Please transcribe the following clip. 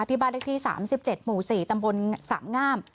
ที่บ้านลักษณ์ที่๓๗หมู่๔ตำบลสามงาม